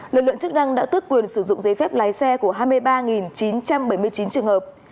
lực lượng chức năng đã tước quyền sử dụng giấy phép lái xe của hai mươi ba chín trăm bảy mươi chín trường hợp